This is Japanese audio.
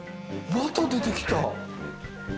また出てきた。